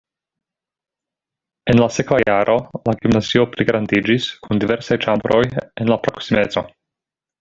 En la sekva jaro la gimnazio pligrandiĝis kun diversaj ĉambroj en la proksimeco.